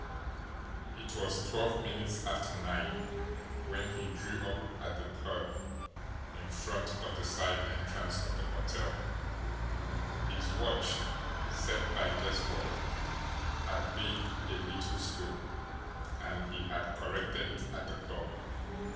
It was twelve minutes after nine when he drew up at the curb in front of the side entrance of the hotel his watch, set by guesswork, had been a little slow, and he had corrected it at the club.